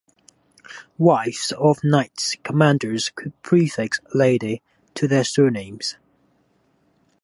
Wives of Knights Commanders could prefix "Lady" to their surnames.